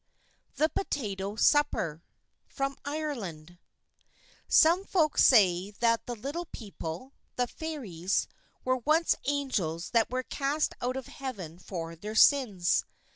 THE POTATO SUPPER From Ireland Some folk say that the Little People, the Fairies, were once angels that were cast out of Heaven for their sins.